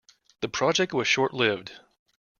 The project was short-lived.